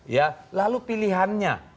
ya lalu pilihannya